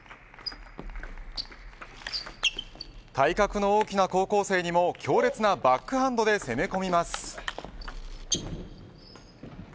体格の大きな高校生にも強烈なバックハンドで攻め込みます。